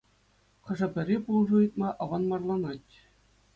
Хӑшӗ-пӗри пулӑшу ыйтма аванмарланать.